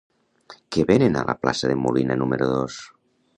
Què venen a la plaça de Molina número dos?